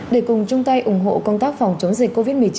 để cùng chung tay ủng hộ công tác phòng chống dịch covid một mươi chín